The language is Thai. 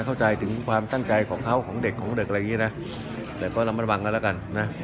เข้าใจถึงความตั้งใจของเขาของเด็กของเด็กอะไรอย่างนี้นะแต่ก็ระมัดระวังกันแล้วกันนะ